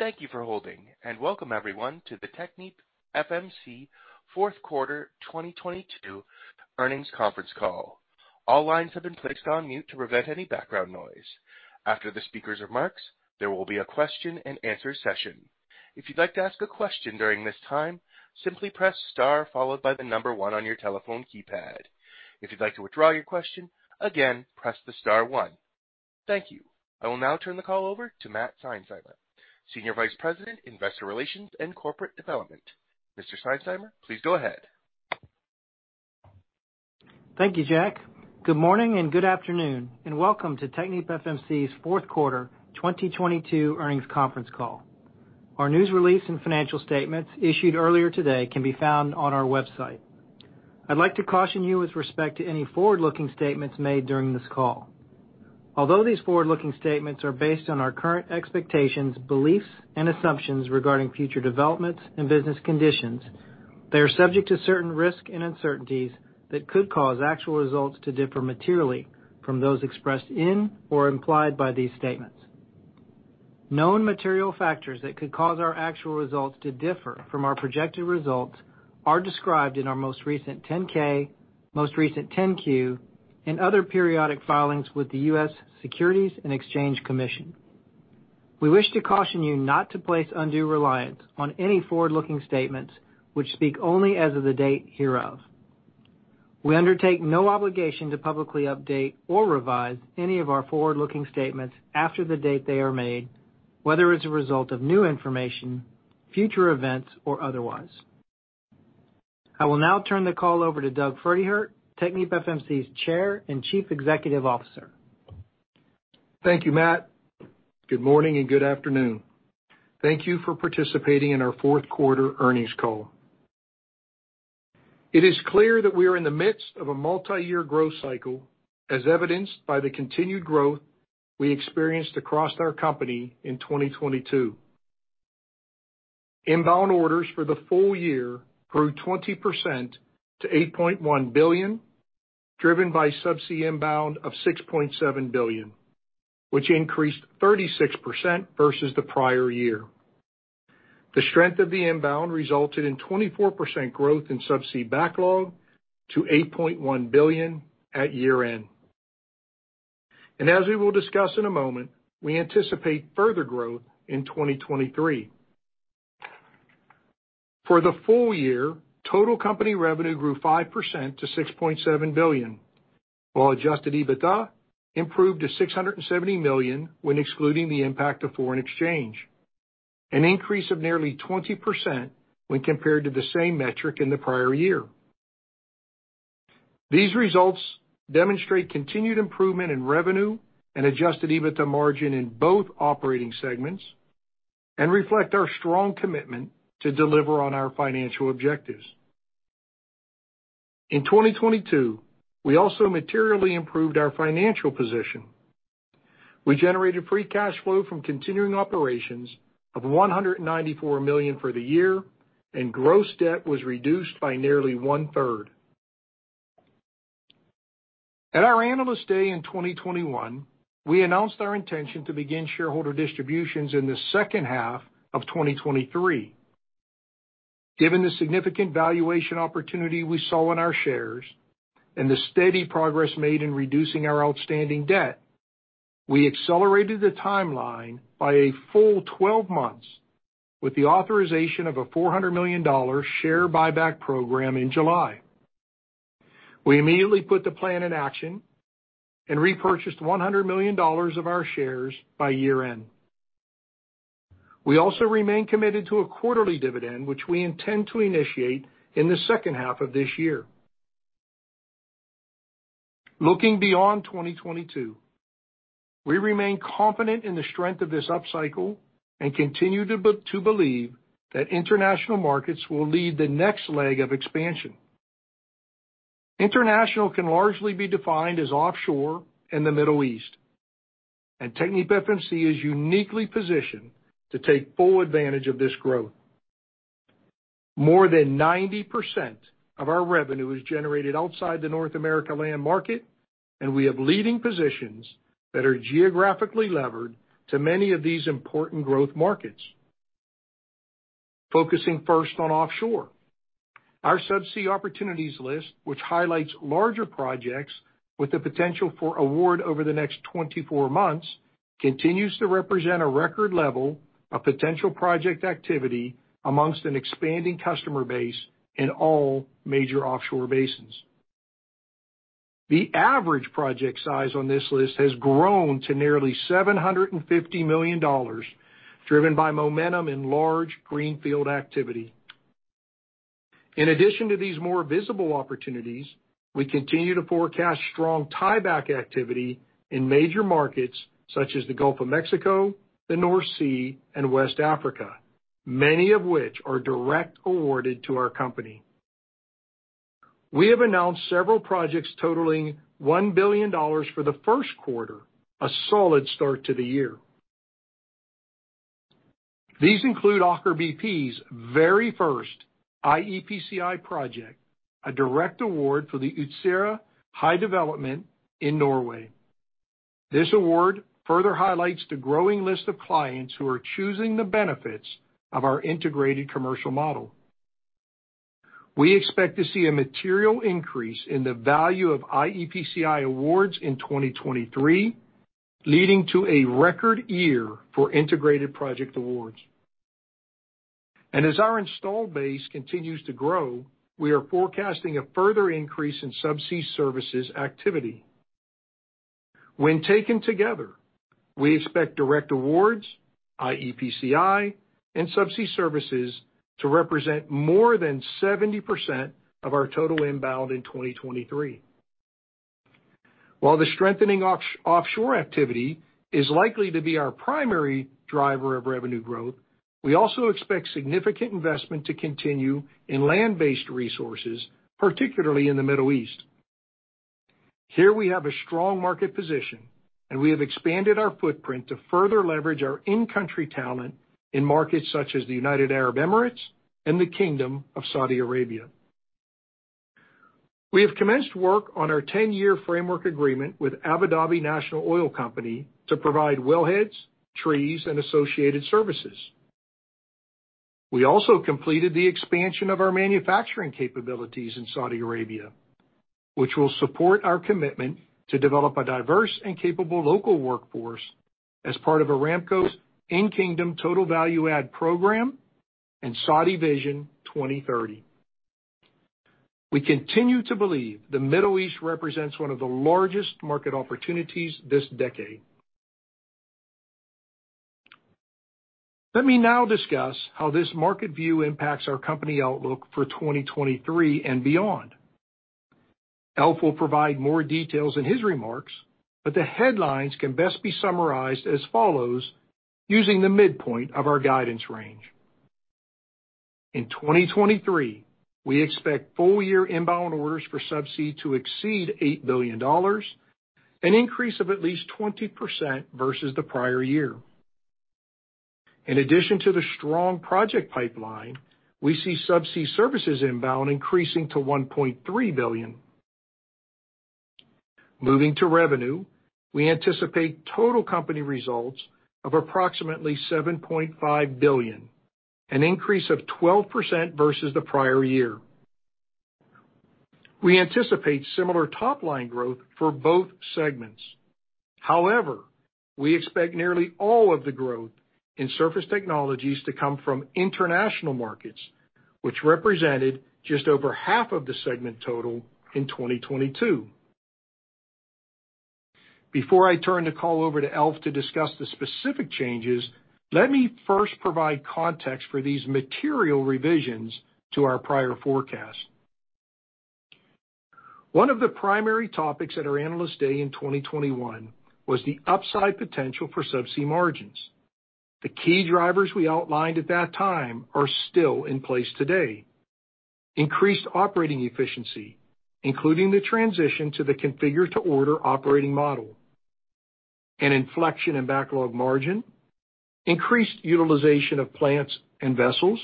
Thank you for holding, and welcome everyone to the TechnipFMC fourth quarter 2022 earnings conference call. All lines have been placed on mute to prevent any background noise. After the speaker's remarks, there will be a question-and-answer session. If you'd like to ask a question during this time, simply press star followed by the number one on your telephone keypad. If you'd like to withdraw your question, again, press the star one. Thank you. I will now turn the call over to Matthew Seinsheimer, Senior Vice President, Investor Relations and Corporate Development. Mr. Matthew Seinsheimer, please go ahead. Thank you, Jack. Good morning and good afternoon, and welcome to TechnipFMC's 4th quarter 2022 earnings conference call. Our news release and financial statements issued earlier today can be found on our website. I'd like to caution you with respect to any forward-looking statements made during this call. Although these forward-looking statements are based on our current expectations, beliefs and assumptions regarding future developments and business conditions, they are subject to certain risks and uncertainties that could cause actual results to differ materially from those expressed in or implied by these statements. Known material factors that could cause our actual results to differ from our projected results are described in our most recent 10-K, most recent 10-Q, and other periodic filings with the US Securities and Exchange Commission. We wish to caution you not to place undue reliance on any forward-looking statements which speak only as of the date hereof. We undertake no obligation to publicly update or revise any of our forward-looking statements after the date they are made, whether as a result of new information, future events, or otherwise. I will now turn the call over to Doug Pferdehirt, TechnipFMC's Chair and Chief Executive Officer. Thank you, Matthew Seinsheimer. Good morning and good afternoon. Thank you for participating in our fourth quarter earnings call. It is clear that we are in the midst of a multi-year growth cycle, as evidenced by the continued growth we experienced across our company in 2022. Inbound orders for the full year grew 20% to $8.1 billion, driven by subsea inbound of $6.7 billion, which increased 36% versus the prior year. The strength of the inbound resulted in 24% growth in subsea backlog to $8.1 billion at year-end. As we will discuss in a moment, we anticipate further growth in 2023. For the full year, total company revenue grew 5% to $6.7 billion, while adjusted EBITDA improved to $670 million when excluding the impact of foreign exchange, an increase of nearly 20% when compared to the same metric in the prior year. These results demonstrate continued improvement in revenue and adjusted EBITDA margin in both operating segments and reflect our strong commitment to deliver on our financial objectives. In 2022, we also materially improved our financial position. We generated free cash flow from continuing operations of $194 million for the year, and gross debt was reduced by nearly one-third. At our Analyst Day in 2021, we announced our intention to begin shareholder distributions in the second half of 2023. Given the significant valuation opportunity we saw in our shares and the steady progress made in reducing our outstanding debt, we accelerated the timeline by a full 12 months with the authorization of a $400 million share buyback program in July. We immediately put the plan in action and repurchased $100 million of our shares by year-end. We also remain committed to a quarterly dividend, which we intend to initiate in the second half of this year. Looking beyond 2022, we remain confident in the strength of this upcycle and continue to believe that international markets will lead the next leg of expansion. International can largely be defined as offshore in the Middle East, and TechnipFMC is uniquely positioned to take full advantage of this growth. More than 90% of our revenue is generated outside the North America land market, and we have leading positions that are geographically levered to many of these important growth markets. Focusing first on offshore. Our subsea opportunities list, which highlights larger projects with the potential for award over the next 24 months, continues to represent a record level of potential project activity amongst an expanding customer base in all major offshore basins. The average project size on this list has grown to nearly $750 million, driven by momentum in large greenfield activity. In addition to these more visible opportunities, we continue to forecast strong tieback activity in major markets such as the Gulf of Mexico, the North Sea, and West Africa, many of which are direct awarded to our company. We have announced several projects totaling $1 billion for the first quarter, a solid start to the year. These include Aker BP's very first iEPCI project, a direct award for the Utsira High development in Norway. This award further highlights the growing list of clients who are choosing the benefits of our integrated commercial model. We expect to see a material increase in the value of iEPCI awards in 2023, leading to a record year for integrated project awards. As our installed base continues to grow, we are forecasting a further increase in subsea services activity. When taken together, we expect direct awards, iEPCI, and subsea services to represent more than 70% of our total inbound in 2023. While the strengthening offshore activity is likely to be our primary driver of revenue growth, we also expect significant investment to continue in land-based resources, particularly in the Middle East. Here we have a strong market position, and we have expanded our footprint to further leverage our in-country talent in markets such as the United Arab Emirates and the Kingdom of Saudi Arabia. We have commenced work on our 10-year framework agreement with Abu Dhabi National Oil Company to provide wellheads, trees, and associated services. We also completed the expansion of our manufacturing capabilities in Saudi Arabia, which will support our commitment to develop a diverse and capable local workforce as part of Aramco's In-Kingdom Total Value Add program and Saudi Vision 2030. We continue to believe the Middle East represents one of the largest market opportunities this decade. Let me now discuss how this market view impacts our company outlook for 2023 and beyond. Alf Melin will provide more details in his remarks, but the headlines can best be summarized as follows using the midpoint of our guidance range. In 2023, we expect full year inbound orders for Subsea to exceed $8 billion, an increase of at least 20% versus the prior year. In addition to the strong project pipeline, we see Subsea services inbound increasing to $1.3 billion. Moving to revenue, we anticipate total company results of approximately $7.5 billion, an increase of 12% versus the prior year. We anticipate similar top-line growth for both segments. However, we expect nearly all of the growth in Surface Technologies to come from international markets, which represented just over half of the segment total in 2022. Before I turn the call over to Alf Melin to discuss the specific changes, let me first provide context for these material revisions to our prior forecast. One of the primary topics at our Analyst Day in 2021 was the upside potential for Subsea margins. The key drivers we outlined at that time are still in place today. Increased operating efficiency, including the transition to the configure-to-order operating model, an inflection in backlog margin, increased utilization of plants and vessels,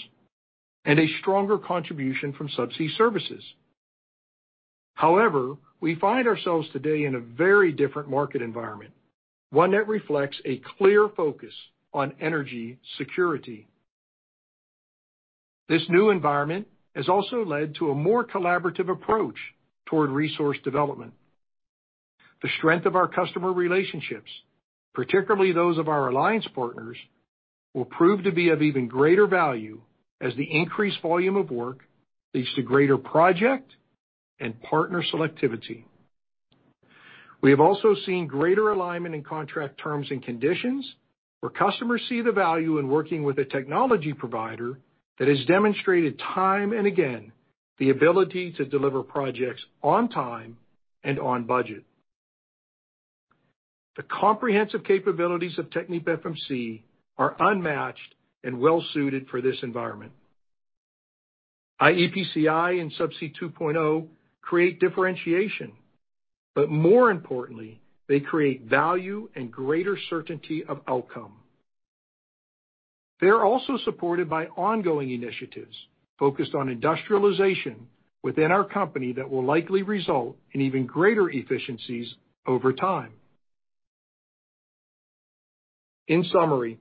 and a stronger contribution from Subsea services. However, we find ourselves today in a very different market environment, one that reflects a clear focus on energy security. This new environment has also led to a more collaborative approach toward resource development. The strength of our customer relationships, particularly those of our alliance partners, will prove to be of even greater value as the increased volume of work leads to greater project and partner selectivity. We have also seen greater alignment in contract terms and conditions, where customers see the value in working with a technology provider that has demonstrated time and again the ability to deliver projects on time and on budget. The comprehensive capabilities of TechnipFMC are unmatched and well suited for this environment. iEPCI and Subsea 2.0 create differentiation. More importantly, they create value and greater certainty of outcome. They're also supported by ongoing initiatives focused on industrialization within our company that will likely result in even greater efficiencies over time. In summary,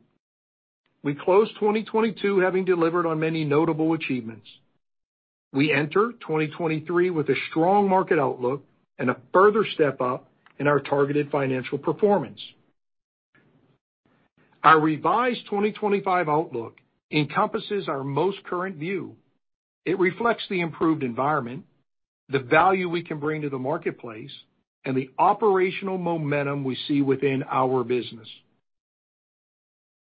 we closed 2022 having delivered on many notable achievements. We enter 2023 with a strong market outlook and a further step up in our targeted financial performance. Our revised 2025 outlook encompasses our most current view. It reflects the improved environment, the value we can bring to the marketplace, and the operational momentum we see within our business.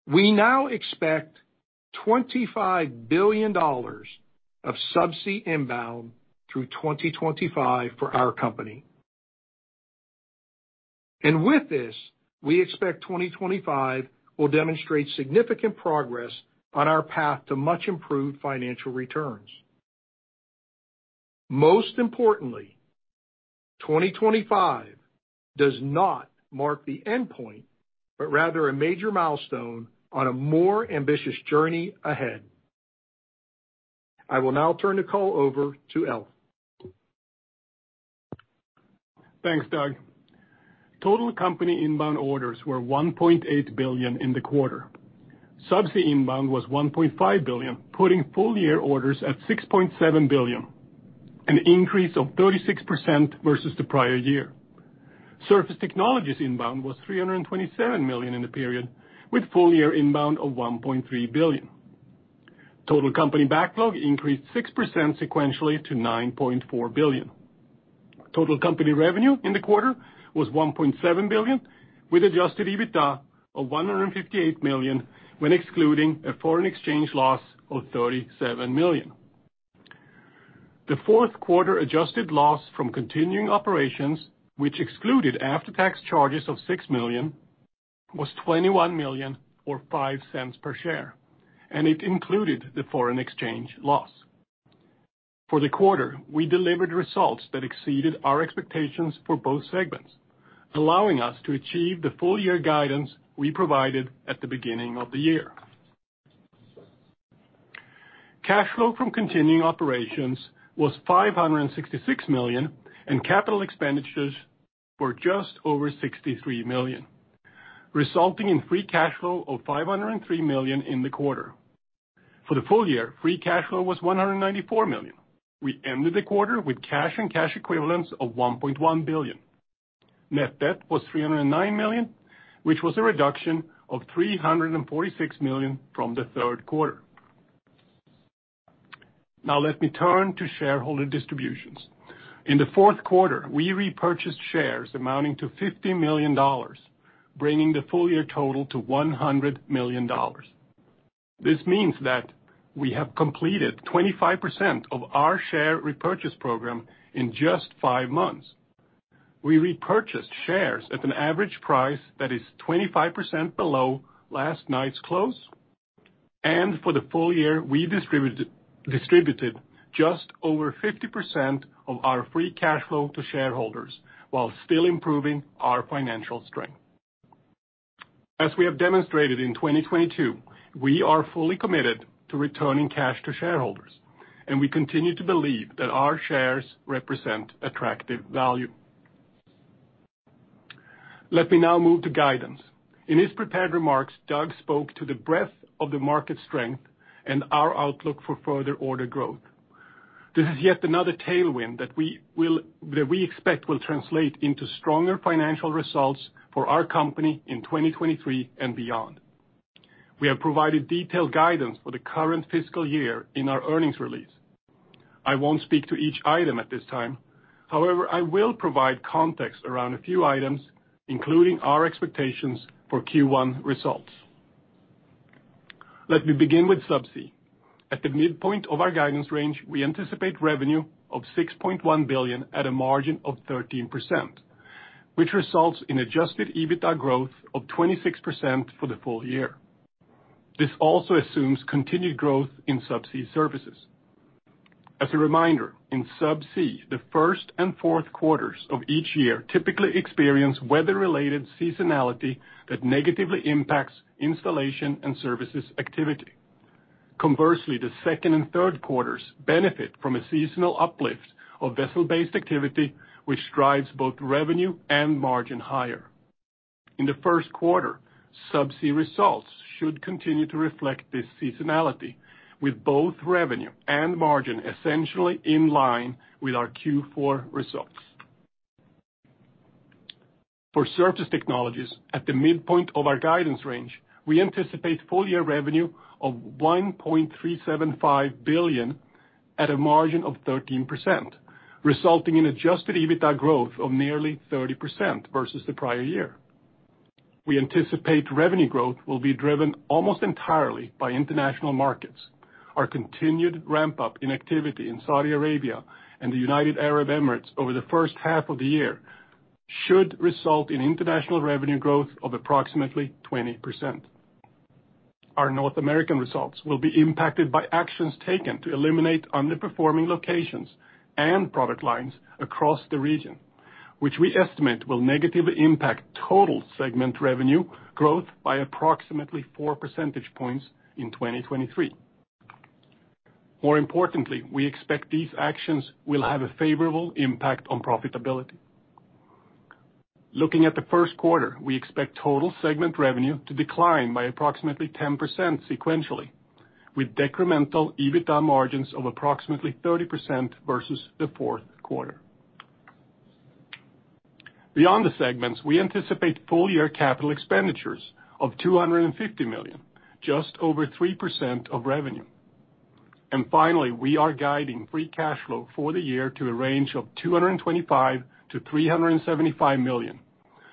We now expect $25 billion of Subsea inbound through 2025 for our company. With this, we expect 2025 will demonstrate significant progress on our path to much improved financial returns. Most importantly, 2025 does not mark the endpoint, but rather a major milestone on a more ambitious journey ahead. I will now turn the call over to Alf Melin. Thanks, Doug Pferdehirt. Total company inbound orders were $1.8 billion in the quarter. Subsea inbound was $1.5 billion, putting full year orders at $6.7 billion, an increase of 36% versus the prior year. Surface Technologies inbound was $327 million in the period, with full year inbound of $1.3 billion. Total company backlog increased 6% sequentially to $9.4 billion. Total company revenue in the quarter was $1.7 billion, with adjusted EBITDA of $158 million when excluding a foreign exchange loss of $37 million. The fourth quarter adjusted loss from continuing operations, which excluded after-tax charges of $6 million, was $21 million or $0.05 per share, and it included the foreign exchange loss. For the quarter, we delivered results that exceeded our expectations for both segments, allowing us to achieve the full year guidance we provided at the beginning of the year. Cash flow from continuing operations was $566 million, and capital expenditures were just over $63 million, resulting in free cash flow of $503 million in the quarter. For the full year, free cash flow was $194 million. We ended the quarter with cash and cash equivalents of $1.1 billion. Net debt was $309 million, which was a reduction of $346 million from the third quarter. Let me turn to shareholder distributions. In the fourth quarter, we repurchased shares amounting to $50 million, bringing the full year total to $100 million. This means that we have completed 25% of our share repurchase program in just 5 months. We repurchased shares at an average price that is 25% below last night's close, and for the full year, we distributed just over 50% of our free cash flow to shareholders while still improving our financial strength. As we have demonstrated in 2022, we are fully committed to returning cash to shareholders, and we continue to believe that our shares represent attractive value. Let me now move to guidance. In his prepared remarks, Doug spoke to the breadth of the market strength and our outlook for further order growth. This is yet another tailwind that we expect will translate into stronger financial results for our company in 2023 and beyond. We have provided detailed guidance for the current fiscal year in our earnings release. I won't speak to each item at this time. However, I will provide context around a few items, including our expectations for Q1 results. Let me begin with Subsea. At the midpoint of our guidance range, we anticipate revenue of $6.1 billion at a margin of 13%, which results in adjusted EBITDA growth of 26% for the full year. This also assumes continued growth in Subsea services. As a reminder, in Subsea, the first and fourth quarters of each year typically experience weather-related seasonality that negatively impacts installation and services activity. Conversely, the second and third quarters benefit from a seasonal uplift of vessel-based activity, which drives both revenue and margin higher. In the first quarter, Subsea results should continue to reflect this seasonality, with both revenue and margin essentially in line with our Q4 results. For Surface Technologies, at the midpoint of our guidance range, we anticipate full-year revenue of $1.375 billion at a margin of 13%, resulting in adjusted EBITDA growth of nearly 30% versus the prior year. We anticipate revenue growth will be driven almost entirely by international markets. Our continued ramp-up in activity in Saudi Arabia and the United Arab Emirates over the first half of the year should result in international revenue growth of approximately 20%. Our North American results will be impacted by actions taken to eliminate underperforming locations and product lines across the region, which we estimate will negatively impact total segment revenue growth by approximately 4 percentage points in 2023. Importantly, we expect these actions will have a favorable impact on profitability. Looking at the first quarter, we expect total segment revenue to decline by approximately 10% sequentially, with decremental EBITDA margins of approximately 30% versus the fourth quarter. Beyond the segments, we anticipate full year capital expenditures of $250 million, just over 3% of revenue. Finally, we are guiding free cash flow for the year to a range of $225 million-$375 million,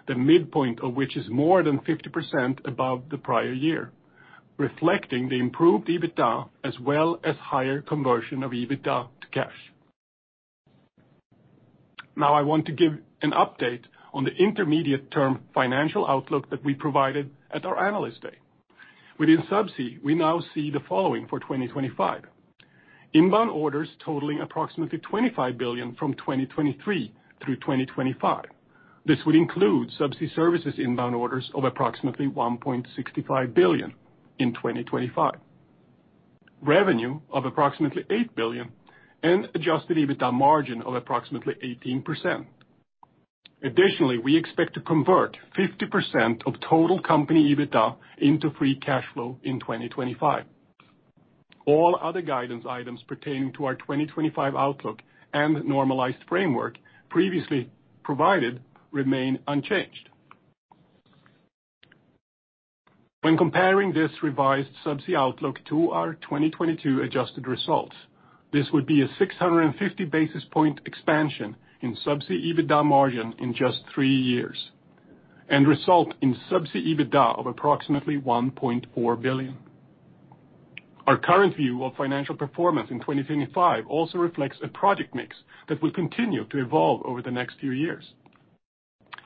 the midpoint of which is more than 50% above the prior year, reflecting the improved EBITDA as well as higher conversion of EBITDA to cash. Now I want to give an update on the intermediate term financial outlook that we provided at our Analyst Day. Within Subsea, we now see the following for 2025. Inbound orders totaling approximately $25 billion from 2023 through 2025. This would include Subsea services inbound orders of approximately $1.65 billion in 2025. Revenue of approximately $8 billion and adjusted EBITDA margin of approximately 18%. Additionally, we expect to convert 50% of total company EBITDA into free cash flow in 2025. All other guidance items pertaining to our 2025 outlook and normalized framework previously provided remain unchanged. When comparing this revised Subsea outlook to our 2022 adjusted results, this would be a 650 basis point expansion in Subsea EBITDA margin in just three years, and result in Subsea EBITDA of approximately $1.4 billion. Our current view of financial performance in 2025 also reflects a project mix that will continue to evolve over the next few years.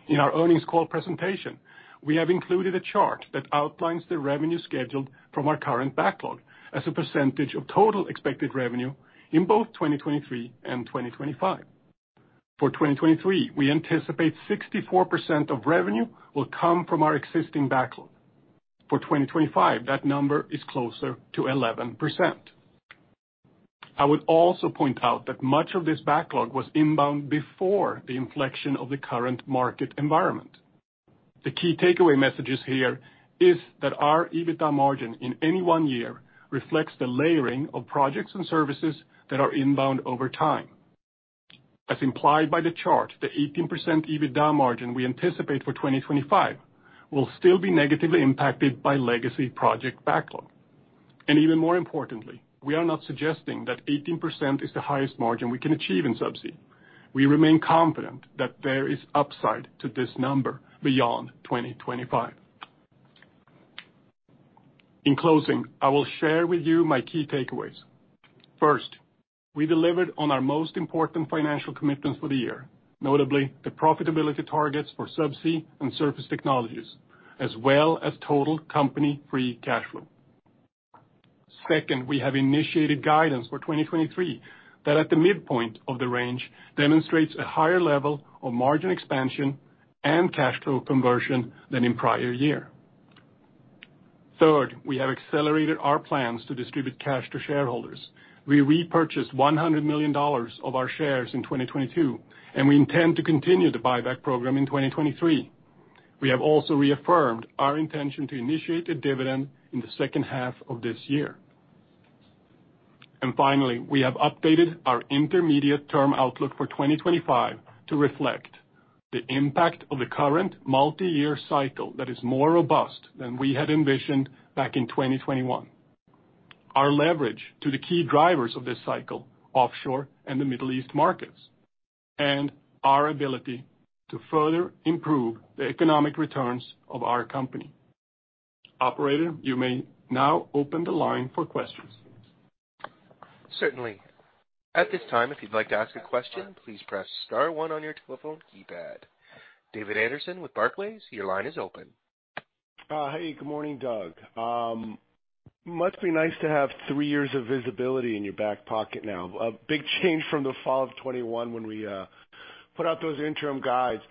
In our earnings call presentation, we have included a chart that outlines the revenue scheduled from our current backlog as a % of total expected revenue in both 2023 and 2025. For 2023, we anticipate 64% of revenue will come from our existing backlog. For 2025, that number is closer to 11%. I would also point out that much of this backlog was inbound before the inflection of the current market environment. The key takeaway messages here is that our EBITDA margin in any one year reflects the layering of projects and services that are inbound over time. As implied by the chart, the 18% EBITDA margin we anticipate for 2025 will still be negatively impacted by legacy project backlog. Even more importantly, we are not suggesting that 18% is the highest margin we can achieve in Subsea. We remain confident that there is upside to this number beyond 2025. In closing, I will share with you my key takeaways. First, we delivered on our most important financial commitments for the year, notably the profitability targets for Subsea and Surface Technologies, as well as total company free cash flow. Second, we have initiated guidance for 2023 that at the midpoint of the range demonstrates a higher level of margin expansion and cash flow conversion than in prior year. Third, we have accelerated our plans to distribute cash to shareholders. We repurchased $100 million of our shares in 2022. We intend to continue the buyback program in 2023. We have also reaffirmed our intention to initiate a dividend in the second half of this year. Finally, we have updated our intermediate term outlook for 2025 to reflect the impact of the current multi-year cycle that is more robust than we had envisioned back in 2021. Our leverage to the key drivers of this cycle, offshore and the Middle East markets, and our ability to further improve the economic returns of our company. Operator, you may now open the line for questions. Certainly. At this time, if you'd like to ask a question, please press star one on your telephone keypad. David Anderson with Barclays, your line is open. Hey, good morning, Doug Pferdehirt. Must be nice to have 3 years of visibility in your back pocket now. A big change from the fall of 2021 when we put out those interim guides.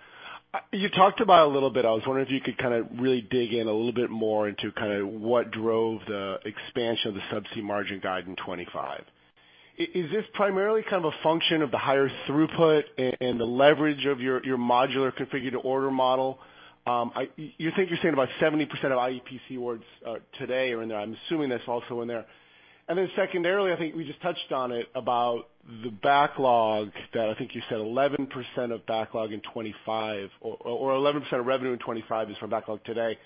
You talked about a little bit, I was wondering if you could really dig in a little bit more into what drove the expansion of the Subsea margin guide in 2025. Is this primarily a function of the higher throughput and the leverage of your modular configure-to-order model? You're saying about 70% of iEPCI awards today are in there. I'm assuming that's also in there. Secondarily, I think we just touched on it about the backlog that I think you said 11% of backlog in 2025 or 11% of revenue in 2025 is from backlog today.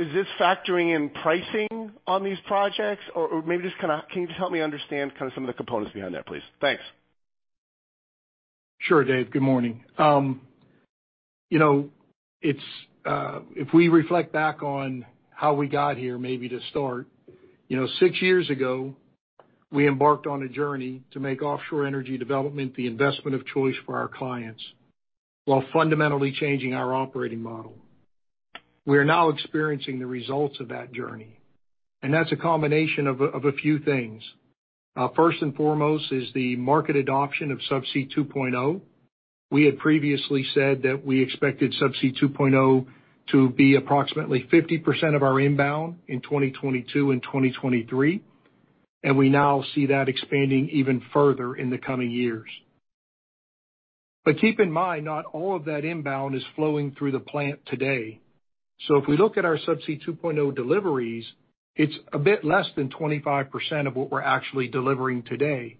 Is this factoring in pricing on these projects? Maybe just kinda, can you just help me understand some of the components behind that, please? Thanks. Sure, David Anderson. Good morning., it's if we reflect back on how we got here, maybe to start,, 6 years ago, we embarked on a journey to make offshore energy development the investment of choice for our clients while fundamentally changing our operating model. We are now experiencing the results of that journey, and that's a combination of a few things. First and foremost is the market adoption of Subsea 2.0. We had previously said that we expected Subsea 2.0 to be approximately 50% of our inbound in 2022 and 2023, and we now see that expanding even further in the coming years. Keep in mind, not all of that inbound is flowing through the plant today. If we look at our Subsea 2.0 deliveries, it's a bit less than 25% of what we're actually delivering today,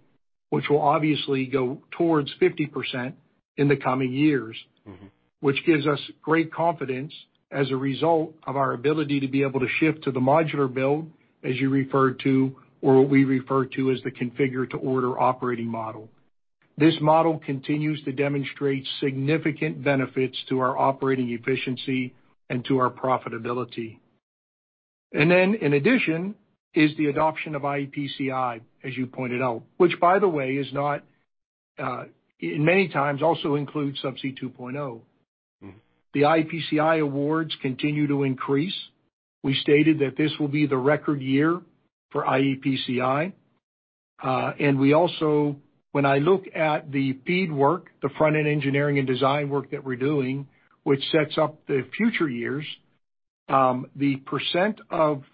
which will obviously go towards 50% in the coming years. Gives us great confidence as a result of our ability to be able to shift to the modular build, as you referred to, or what we refer to as the configure-to-order operating model. This model continues to demonstrate significant benefits to our operating efficiency and to our profitability. In addition is the adoption of iEPCI, as you pointed out, which by the way is not, in many times also includes Subsea 2.0. The iEPCI awards continue to increase. We stated that this will be the record year for iEPCI. When I look at the FEED work, the front-end engineering and design work that we're doing, which sets up the future years, the percent of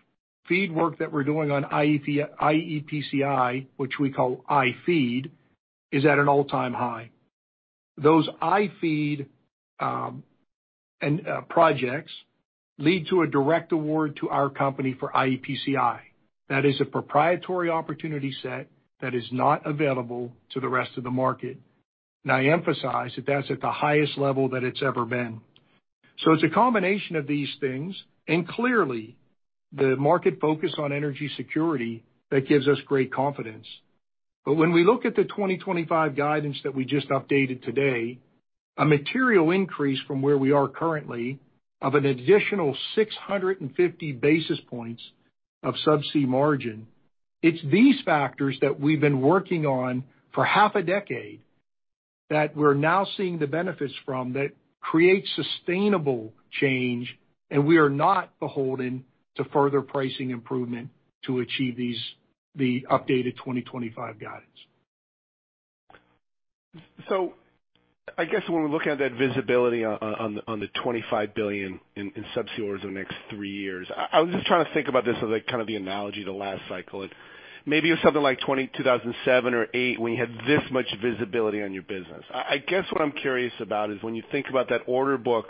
FEED work that we're doing on iEPCI, which we call iFEED, is at an all-time high. Those iFEED projects lead to a direct award to our company for iEPCI. That is a proprietary opportunity set that is not available to the rest of the market. I emphasize that that's at the highest level that it's ever been. It's a combination of these things, and clearly the market focus on energy security that gives us great confidence. When we look at the 2025 guidance that we just updated today, a material increase from where we are currently of an additional 650 basis points of Subsea margin, it's these factors that we've been working on for half a decade that we're now seeing the benefits from that create sustainable change, and we are not beholden to further pricing improvement to achieve the updated 2025 guidance. I guess when we're looking at that visibility on the $25 billion in Subsea orders over the next 3 years, I was just trying to think about this as, like, kind of the analogy to last cycle. Like maybe it was something like 2007 or 2008 when you had this much visibility on your business. I guess what I'm curious about is when you think about that order book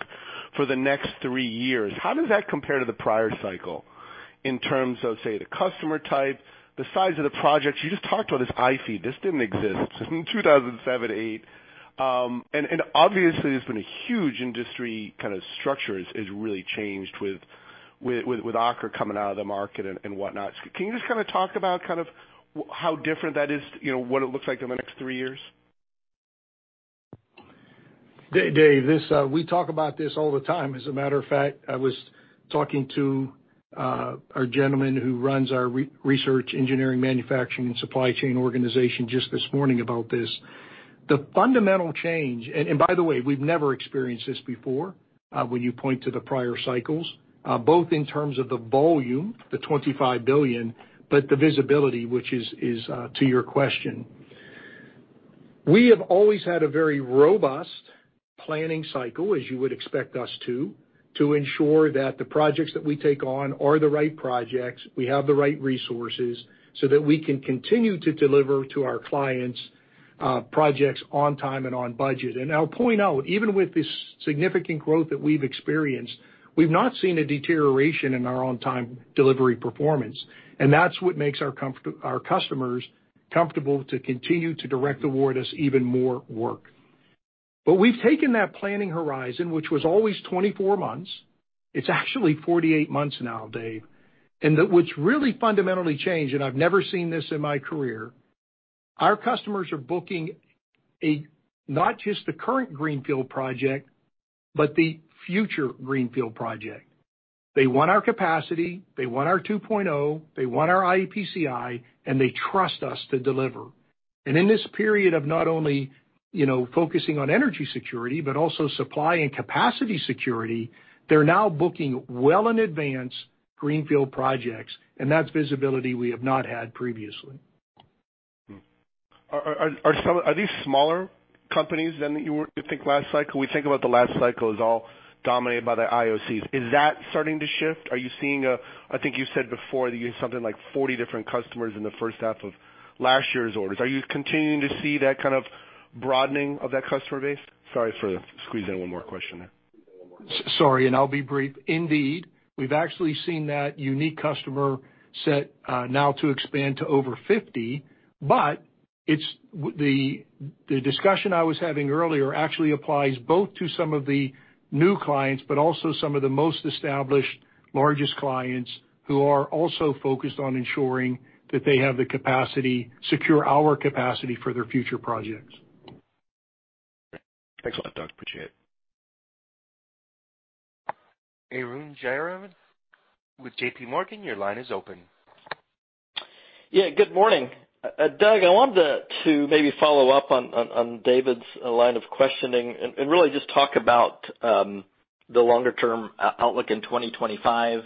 for the next 3 years, how does that compare to the prior cycle in terms of, say, the customer type, the size of the projects? You just talked about this iFEED. This didn't exist in 2007, 2008. Obviously, there's been a huge industry kind of structure is really changed with Aker coming out of the market and whatnot. Can you just kind of talk about how different that is,, what it looks like over the next three years? David Anderson, this, we talk about this all the time. As a matter of fact, I was talking to our gentleman who runs our research, engineering, manufacturing, and supply chain organization just this morning about this. The fundamental change, and by the way, we've never experienced this before, when you point to the prior cycles, both in terms of the volume, the $25 billion, but the visibility which is to your question. We have always had a very robust planning cycle, as you would expect us to ensure that the projects that we take on are the right projects, we have the right resources, so that we can continue to deliver to our clients, projects on time and on budget. I'll point out, even with this significant growth that we've experienced, we've not seen a deterioration in our on-time delivery performance, and that's what makes our customers comfortable to continue to direct award us even more work. We've taken that planning horizon, which was always 24 months. It's actually 48 months now, David Anderson. What's really fundamentally changed, and I've never seen this in my career, our customers are booking not just the current greenfield project, but the future greenfield project. They want our capacity, they want our 2.0, they want our iEPCI, and they trust us to deliver. In this period of not only focusing on energy security, but also supply and capacity security, they're now booking well in advance greenfield projects, and that's visibility we have not had previously. Are these smaller companies than you think last cycle? We think about the last cycle as all dominated by the IOCs. Is that starting to shift? Are you seeing a, I think you said before that you had something like 40 different customers in the first half of last year's orders. Are you continuing to see that broadening of that customer base? Sorry for squeezing in one more question there. Sorry, I'll be brief. Indeed, we've actually seen that unique customer set, now to expand to over 50. It's the discussion I was having earlier actually applies both to some of the new clients, but also some of the most established largest clients who are also focused on ensuring that they have the capacity, secure our capacity for their future projects. Thanks a lot, Doug Pferdehirt. Appreciate it. Arun Jayaram with JPMorgan, your line is open. Yeah, good morning. Doug Pferdehirt, I wanted to maybe follow up on David Anderson's line of questioning and really just talk about the longer-term outlook in 2025.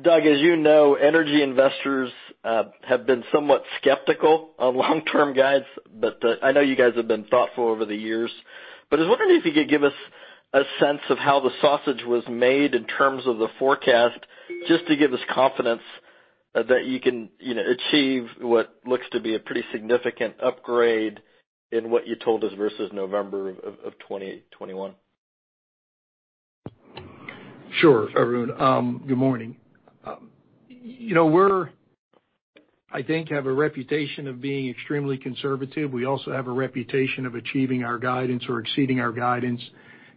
Doug Pferdehirt as energy investors have been somewhat skeptical of long-term guides, but I know you guys have been thoughtful over the years. I was wondering if you could give us a sense of how the sausage was made in terms of the forecast, just to give us confidence that you can, achieve what looks to be a pretty significant upgrade in what you told us versus November of 2021. Sure, Arun Jayaram. Good morning. We're, I think, have a reputation of being extremely conservative. We also have a reputation of achieving our guidance or exceeding our guidance,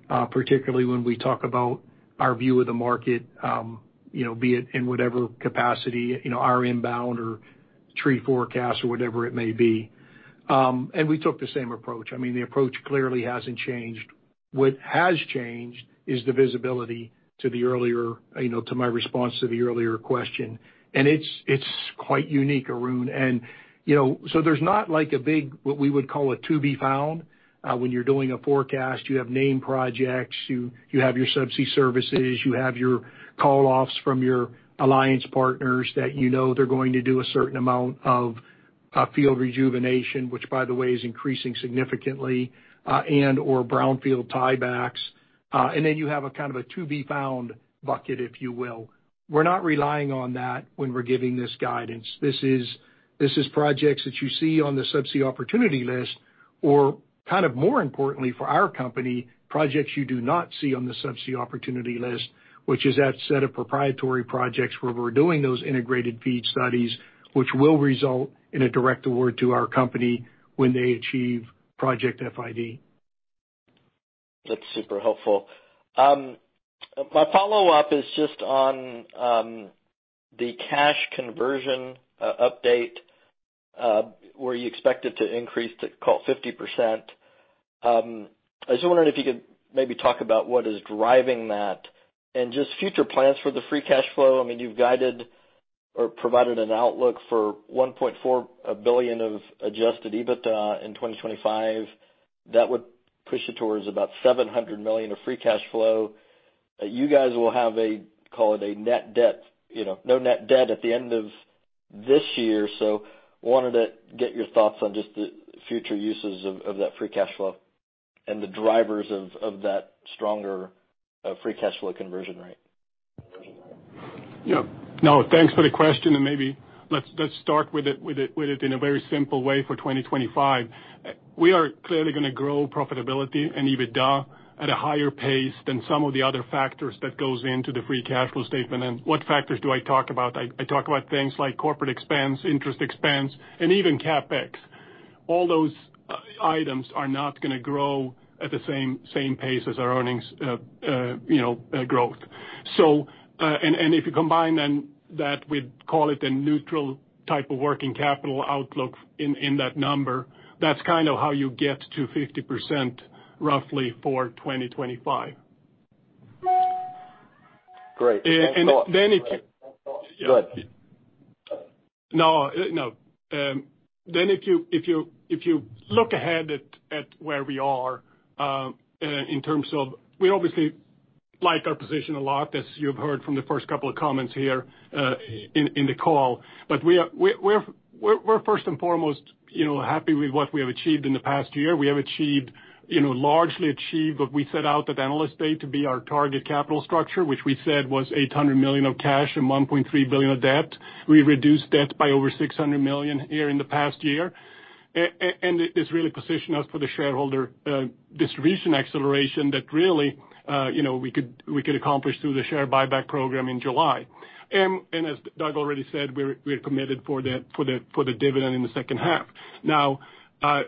particularly when we talk about our view of the market be it in whatever capacity our inbound or Tree forecast or whatever it may be. We took the same approach. I mean, the approach clearly hasn't changed. What has changed is the visibility to the earlier to my response to the earlier question. It's quite unique, Arun Jayaram. There's not like a big, what we would call a to-be-found, when you're doing a forecast, you have name projects, you have your subsea services, you have your call-offs from your alliance partners that they're going to do a certain amount of field rejuvenation, which by the way, is increasing significantly, and/or brownfield tie-backs. Then you have a kind of a to-be-found bucket, if you will. We're not relying on that when we're giving this guidance. This is projects that you see on the Subsea Opportunities List, or kind of more importantly for our company, projects you do not see on the Subsea Opportunities List, which is that set of proprietary projects where we're doing those integrated FEED studies, which will result in a direct award to our company when they achieve project FID. That's super helpful. My follow-up is just on the cash conversion update, where you expect it to increase to call 50%. I just wondering if you could maybe talk about what is driving that and just future plans for the free cash flow. I mean, you've guided or provided an outlook for $1.4 billion of adjusted EBITDA in 2025. That would push it towards about $700 million of free cash flow. You guys will have a, call it a net debt,, no net debt at the end of this year. Wanted to get your thoughts on just the future uses of that free cash flow and the drivers of that stronger free cash flow conversion rate. Yeah. No, thanks for the question. Maybe let's start with it in a very simple way for 2025. We are clearly going to grow profitability and EBITDA at a higher pace than some of the other factors that goes into the free cash flow statement. What factors do I talk about? I talk about things like corporate expense, interest expense, and even CapEx. All those items are not going to grow at the same pace as our earnings growth. If you combine then that, we'd call it a neutral type of working capital outlook in that number. That's how you get to 50% roughly for 2025. Great. Thanks a lot. And then if you- Go ahead. No. If you look ahead at where we are in terms of... We obviously like our position a lot, as you've heard from the first couple of comments here in the call. We're first and foremost, happy with what we have achieved in the past year. We have achieved, largely achieved what we set out at Analyst Day to be our target capital structure, which we said was $800 million of cash and $1.3 billion of debt. We reduced debt by over $600 million here in the past year. This really positioned us for the shareholder distribution acceleration that really, we could accomplish through the share buyback program in July. As Doug Pferdehirt already said, we're committed for the dividend in the second half. Now,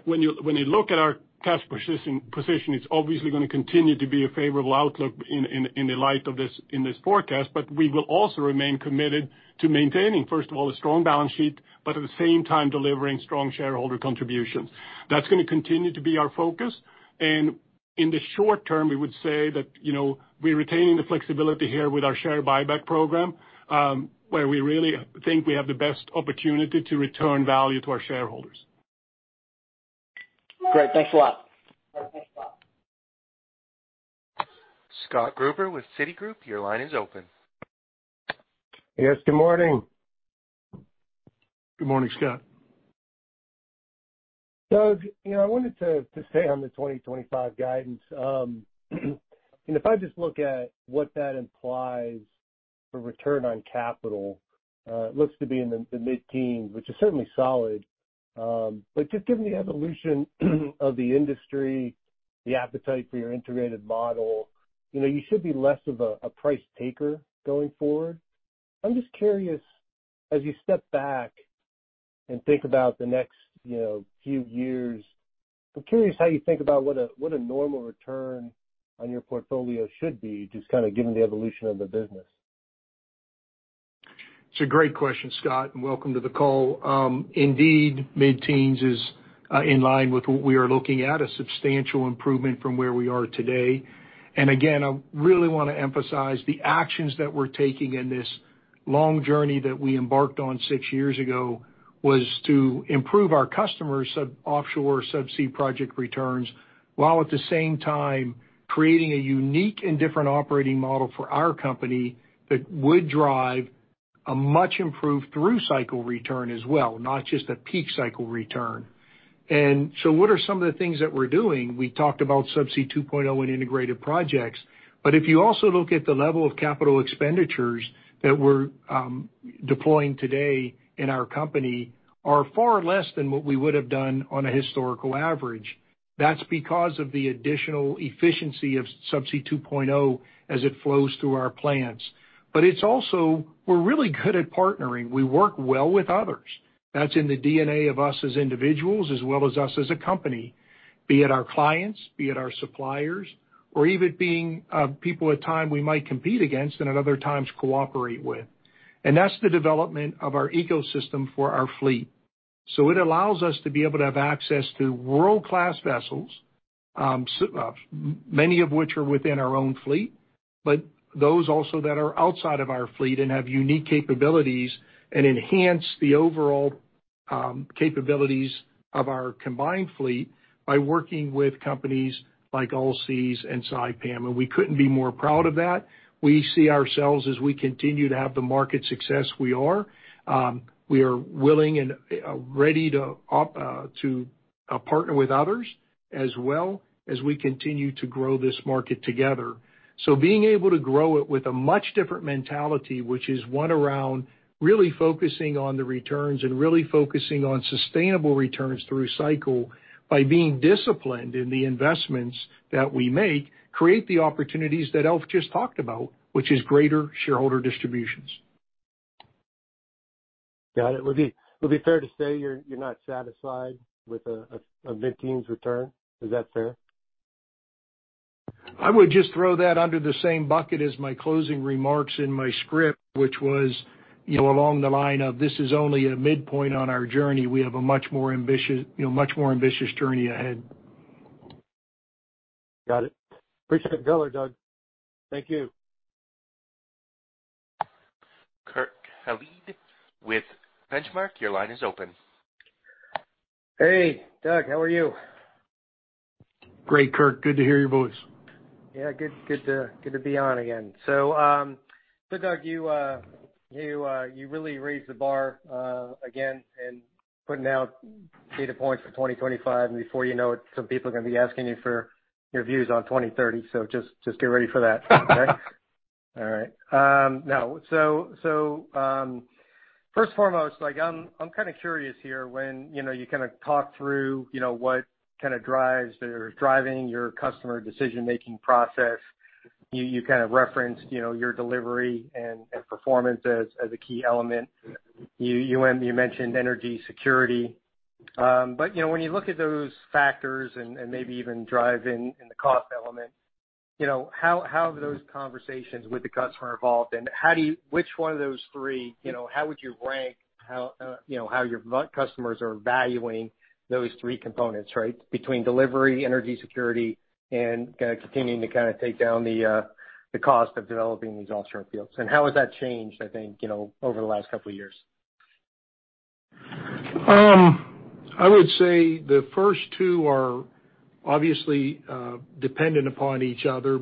when you look at our cash position, it's obviously going to continue to be a favorable outlook in the light of this, in this forecast, but we will also remain committed to maintaining, first of all, a strong balance sheet, but at the same time, delivering strong shareholder contributions. That's going to continue to be our focus. In the short term, we would say that, we're retaining the flexibility here with our share buyback program, where we really think we have the best opportunity to return value to our shareholders. Great. Thanks a lot. Scott Gruber with Citigroup, your line is open. Yes, good morning. Good morning, Scott Gruber. Doug Pferdehirt, I wanted to stay on the 2025 guidance. If I just look at what that implies for return on capital, it looks to be in the mid-teens, which is certainly solid. Just given the evolution of the industry, the appetite for your integrated model, you should be less of a price taker going forward. I'm just curious, as you step back and think about the next few years, I'm curious how you think about what a normal return on your portfolio should be, just given the evolution of the business? It's a great question, Scott Gruber. Welcome to the call. Indeed, mid-teens is in line with what we are looking at, a substantial improvement from where we are today. Again, I really want to emphasize the actions that we're taking in this long journey that we embarked on 6 years ago, was to improve our customers' offshore subsea project returns, while at the same time creating a unique and different operating model for our company that would drive a much improved through cycle return as well, not just a peak cycle return. What are some of the things that we're doing? We talked about Subsea 2.0 and integrated projects. If you also look at the level of capital expenditures that we're deploying today in our company are far less than what we would have done on a historical average. That's because of the additional efficiency of Subsea 2.0 as it flows through our plans. It's also, we're really good at partnering. We work well with others. That's in the DNA of us as individuals as well as us as a company, be it our clients, be it our suppliers, or even being people at times we might compete against and at other times cooperate with. That's the development of our ecosystem for our fleet. So it allows us to be able to have access to world-class vessels, many of which are within our own fleet, but those also that are outside of our fleet and have unique capabilities and enhance the overall capabilities of our combined fleet by working with companies like Allseas and Saipem. We couldn't be more proud of that. We see ourselves as we continue to have the market success we are, we are willing and ready to partner with others as well as we continue to grow this market together. Being able to grow it with a much different mentality, which is one around really focusing on the returns and really focusing on sustainable returns through cycle by being disciplined in the investments that we make, create the opportunities that Alf just talked about, which is greater shareholder distributions. Got it. Would it be fair to say you're not satisfied with a mid-teens return? Is that fair? I would just throw that under the same bucket as my closing remarks in my script, which was along the line of this is only a midpoint on our journey. We have a much more ambitious much more ambitious journey ahead. Got it. Appreciate the color, Doug Pferdehirt. Thank you. Kurt Hallead with Benchmark, Your line is open. Hey, Doug Pferdehirt. How are you? Great, Kurt Hallead. Good to hear your voice. Good to be on again. Doug Pferdehirt you, you really raised the bar again in putting out data points for 2025, and before it, some people are going to be asking you for your views on 2030. Just get ready for that. First and foremost, I'm curious here when you talked through, what drives or is driving your customer decision-making process. You referenced your delivery and performance as a key element. You mentioned energy security. When you look at those factors and maybe even drive in the cost element how have those conversations with the customer evolved? Which one of those three how would you rank how your customers are valuing those three components? Between delivery, energy security, and continuing to take down the cost of developing these offshore fields. How has that changed over the last couple years? I would say the first two are obviously dependent upon each other,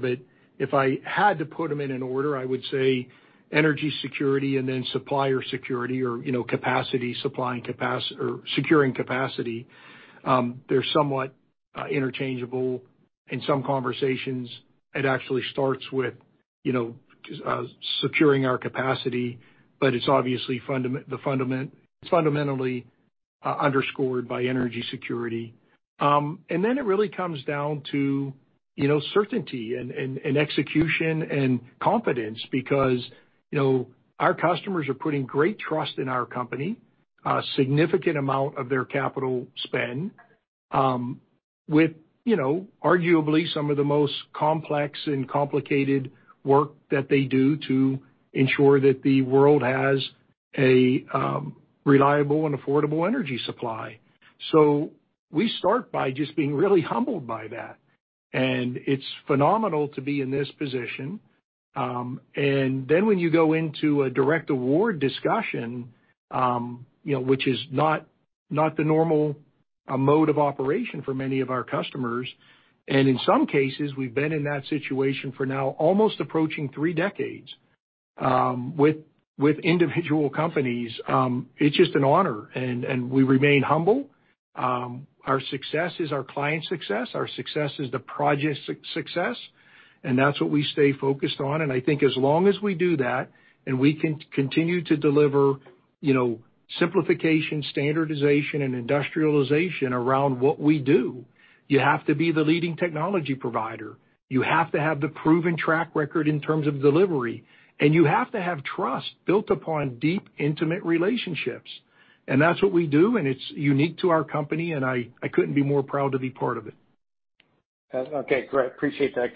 if I had to put them in an order, I would say energy security and then supplier security or capacity, supply, or securing capacity. They're somewhat interchangeable. In some conversations, it actually starts with securing our capacity, but it's obviously fundamentally underscored by energy security. It really comes down to certainty and execution and confidence because our customers are putting great trust in our company, a significant amount of their capital spend, with arguably some of the most complex and complicated work that they do to ensure that the world has a reliable and affordable energy supply. We start by just being really humbled by that. It's phenomenal to be in this position. Then when you go into a direct award discussion which is not the normal mode of operation for many of our customers, in some cases, we've been in that situation for now almost approaching 3 decades, with individual companies, it's just an honor, and we remain humble. Our success is our clients' success. Our success is the project success. That's what we stay focused on. I think as long as we do that, and we continue to deliver simplification, standardization, and industrialization around what we do, you have to be the leading technology provider. You have to have the proven track record in terms of delivery. You have to have trust built upon deep, intimate relationships. That's what we do, and it's unique to our company, and I couldn't be more proud to be part of it. Okay. Great. Appreciate that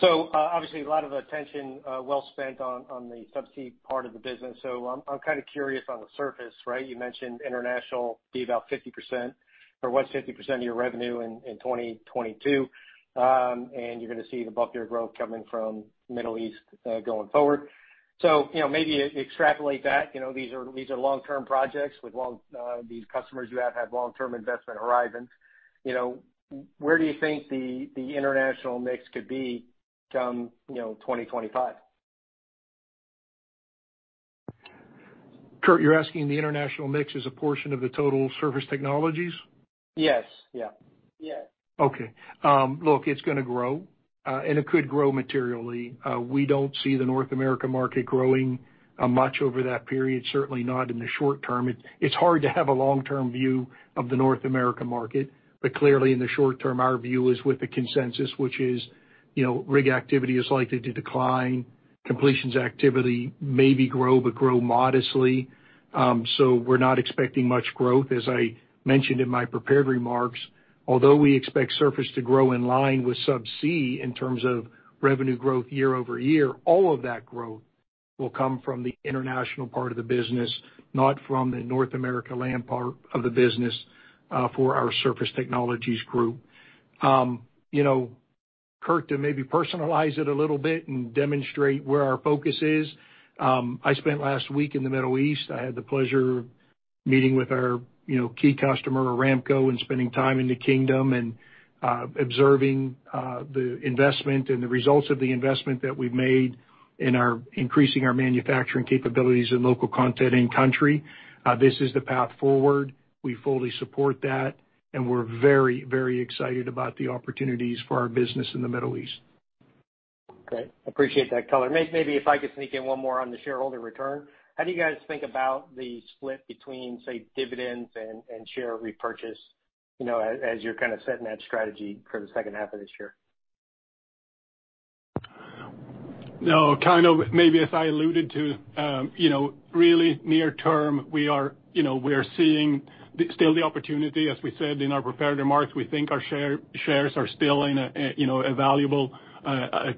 color. Obviously, a lot of attention well spent on the Subsea part of the business. I'm curious on the surface. You mentioned international be about 50% or was 50% of your revenue in 2022. You're going to see the bulk of your growth coming from Middle East going forward. Maybe extrapolate that. These are long-term projects with long, these customers you have long-term investment horizons. Where do you think the international mix could be come 2025? Kurt Hallead, you're asking the international mix as a portion of the total Surface Technologies? Yes. Yeah. Yeah. Okay. Look, it's going to grow, and it could grow materially. We don't see the North America market growing much over that period, certainly not in the short term. It's hard to have a long-term view of the North America market. Clearly, in the short term, our view is with the consensus, which is rig activity is likely to decline. Completions activity maybe grow, but grow modestly. We're not expecting much growth, as I mentioned in my prepared remarks. Although we expect surface to grow in line with subsea in terms of revenue growth year-over-year, all of that growth will come from the international part of the business, not from the North America land part of the business, for our Surface Technologies group. Kurt Hallead, to maybe personalize it a little bit and demonstrate where our focus is, I spent last week in the Middle East. I had the pleasure of meeting with our key customer, Aramco, and spending time in the kingdom and observing the investment and the results of the investment that we've made in our increasing our manufacturing capabilities and local content in country. This is the path forward. We fully support that. We're very, very excited about the opportunities for our business in the Middle East. Great. Appreciate that color. Maybe if I could sneak in one more on the shareholder return. How do you guys think about the split between, say, dividends and share repurchase as you're setting that strategy for the second half of this year? No. Maybe as I alluded to really near term, we are seeing still the opportunity, as we said in our prepared remarks. We think our shares are still in a valuable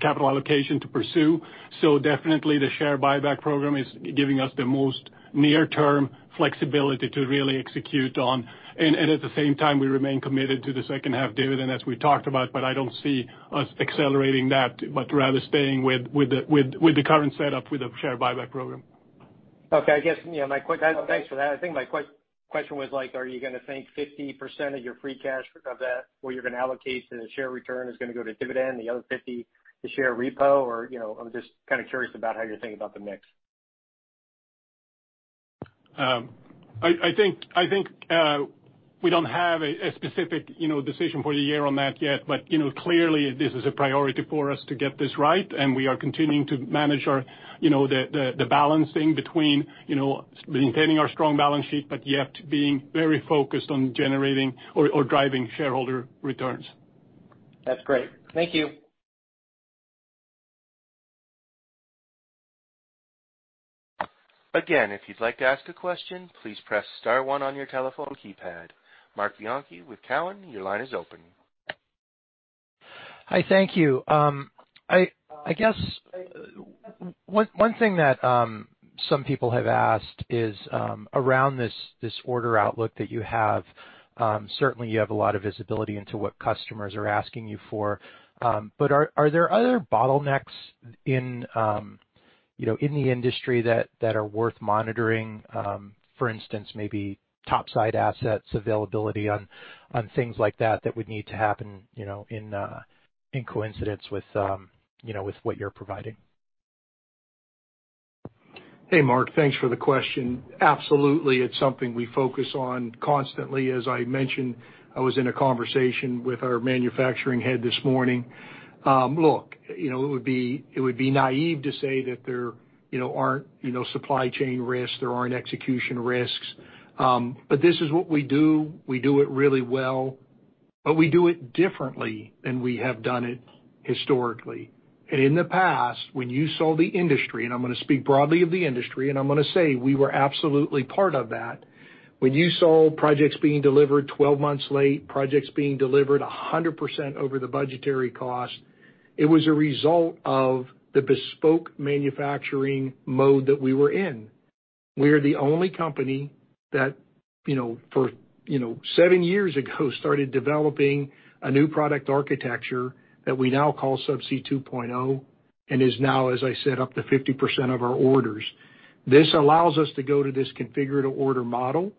capital allocation to pursue. Definitely the share buyback program is giving us the most near-term flexibility to really execute on. At the same time, we remain committed to the second half dividend as we talked about, but I don't see us accelerating that, but rather staying with the current setup with a share buyback program. Okay. I guess. Thanks for that. I think my question was like, are you going to think 50% of your free cash of that, or you're going to allocate to the share return is going to go to dividend, the other 50 to share repo or I'm just curious about how you're thinking about the mix. I think we don't have a specific,, decision for the year on that yet., clearly this is a priority for us to get this right, and we are continuing to manage our the balancing between maintaining our strong balance sheet, but yet being very focused on generating or driving shareholder returns. That's great. Thank you. Again, if you'd like to ask a question, please press star one on your telephone keypad. Marc Bianchi with Cowen, your line is open. Hi. Thank you. I guess, one thing that some people have asked is, around this order outlook that you have, certainly you have a lot of visibility into what customers are asking you for. Are there other bottlenecks in the industry that are worth monitoring, for instance, maybe top side assets availability on things like that would need to happen in coincidence with what you're providing? Hey, Marc Bianchi, thanks for the question. Absolutely, it's something we focus on constantly. As I mentioned, I was in a conversation with our manufacturing head this morning. Look it would be naive to say that there aren't supply chain risks, there aren't execution risks. This is what we do. We do it really well, but we do it differently than we have done it historically. In the past, when you saw the industry, and I'm going to speak broadly of the industry, and I'm going to say we were absolutely part of that, when you saw projects being delivered 12 months late, projects being delivered 100% over the budgetary cost, it was a result of the bespoke manufacturing mode that we were in. We're the only company that for seven years ago started developing a new product architecture that we now call Subsea 2.0, and is now, as I said, up to 50% of our orders. This allows us to go to this configure-to-order model.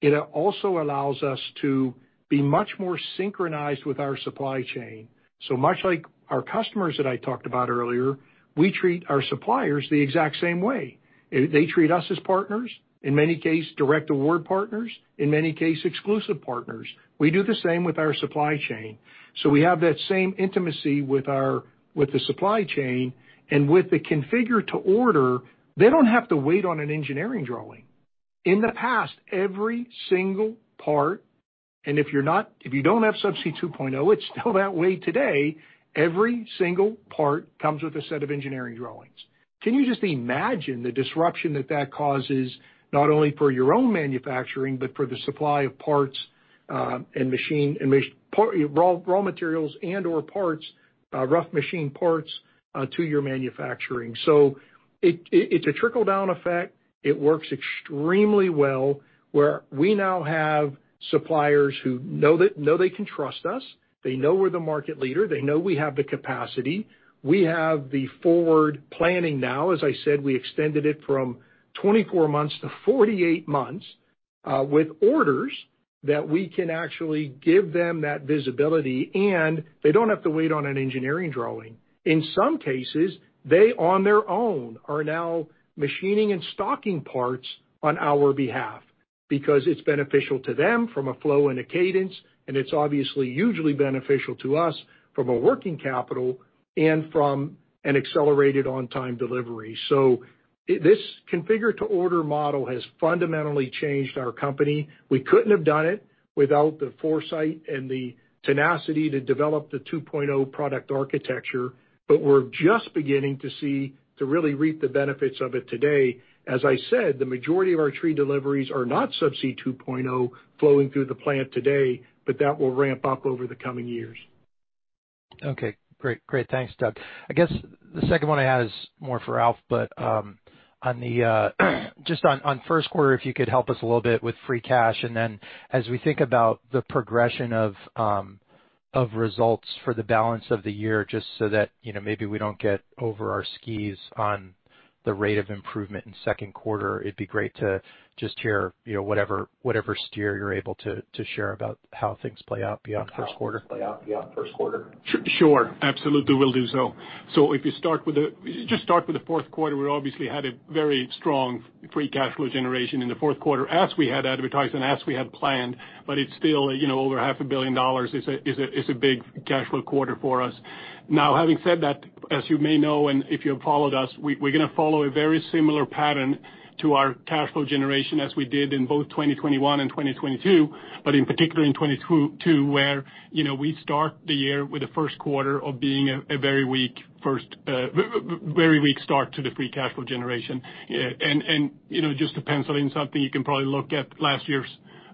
It also allows us to be much more synchronized with our supply chain. Much like our customers that I talked about earlier, we treat our suppliers the exact same way. They treat us as partners, in many case, direct award partners, in many case, exclusive partners. We do the same with our supply chain. We have that same intimacy with our, with the supply chain. With the configure-to-order, they don't have to wait on an engineering drawing. In the past, every single part, if you don't have Subsea 2.0, it's still that way today, every single part comes with a set of engineering drawings. Can you just imagine the disruption that causes not only for your own manufacturing, but for the supply of parts, raw materials and/or parts, rough machine parts to your manufacturing? It's a trickle-down effect. It works extremely well, where we now have suppliers who know they can trust us. They know we're the market leader. They know we have the capacity. We have the forward planning now. As I said, we extended it from 24 months to 48 months with orders that we can actually give them that visibility, and they don't have to wait on an engineering drawing. In some cases, they on their own are now machining and stocking parts on our behalf because it's beneficial to them from a flow and a cadence, and it's obviously usually beneficial to us from a working capital and from an accelerated on-time delivery. This configure-to-order model has fundamentally changed our company. We couldn't have done it without the foresight and the tenacity to develop the Subsea 2.0 product architecture, but we're just beginning to see, to really reap the benefits of it today. As I said, the majority of our tree deliveries are not Subsea 2.0 flowing through the plant today, but that will ramp up over the coming years. Okay, great. Great. Thanks, Doug Pferdehirt. I guess the second one I had is more for Alf Melin. On the, just on first quarter, if you could help us a little bit with free cash. As we think about the progression of results for the balance of the year, just so that maybe we don't get over our skis on the rate of improvement in second quarter, it'd be great to just hear whatever steer you're able to share about how things play out beyond first quarter. Sure. Absolutely will do so. If you start with the fourth quarter, we obviously had a very strong free cash flow generation in the fourth quarter as we had advertised and as we had planned, but it's still over half a billion dollars is a big cash flow quarter for us. Having said that, as you may know, if you have followed us, we're going to follow a very similar pattern to our cash flow generation as we did in both 2021 and 2022, but in particular in 2022, where we start the year with the first quarter of being a very weak first, very weak start to the free cash flow generation. Just to pencil in something, you can probably look at last year's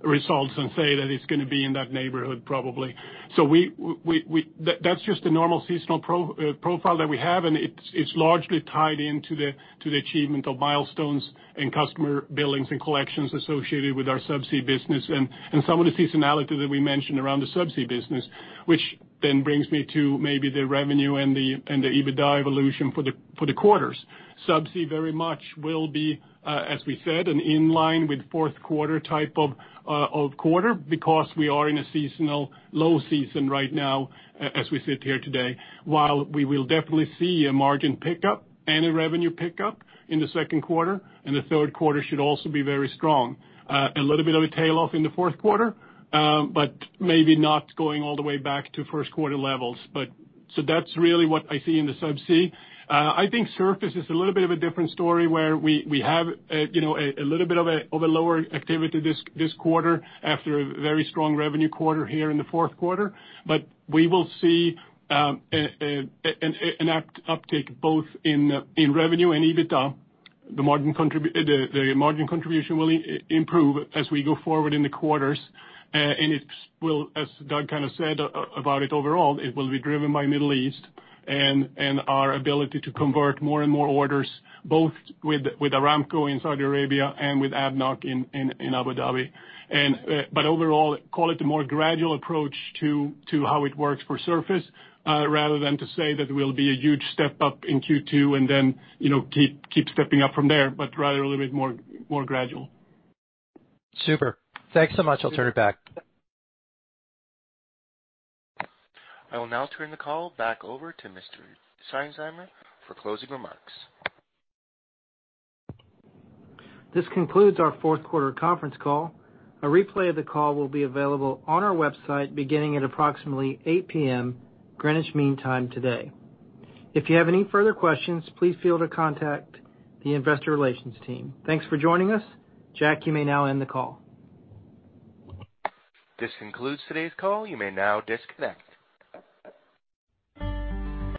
results and say that it's going to be in that neighborhood probably. That's just a normal seasonal profile that we have, and it's largely tied into the achievement of milestones and customer billings and collections associated with our Subsea business and some of the seasonality that we mentioned around the Subsea business. Which brings me to maybe the revenue and the EBITDA evolution for the quarters. Subsea very much will be, as we said, an in line with fourth quarter type of quarter because we are in a seasonal low season right now as we sit here today. While we will definitely see a margin pickup and a revenue pickup in the second quarter, the third quarter should also be very strong. Maybe not going all the way back to first quarter levels. That's really what I see in the Subsea. I think Surface is a little bit of a different story where we have,, a little bit of a lower activity this quarter after a very strong revenue quarter here in the fourth quarter. We will see an uptake both in revenue and EBITDA. The margin contribution will improve as we go forward in the quarters. It will, as Doug Pferdehirt said about it overall, it will be driven by Middle East and our ability to convert more and more orders, both with Aramco in Saudi Arabia and with ADNOC in Abu Dhabi. Overall, call it a more gradual approach to how it works for Surface, rather than to say that it will be a huge step up in Q2 and then keep stepping up from there, but rather a little bit more gradual. Super. Thanks so much. I'll turn it back. I will now turn the call back over to Mr. Matthew Seinsheimer for closing remarks. This concludes our fourth quarter conference call. A replay of the call will be available on our website beginning at approximately 8:00 P.M. Greenwich Mean Time today. If you have any further questions, please feel to contact the investor relations team. Thanks for joining us. Jack, you may now end the call. This concludes today's call. You may now disconnect.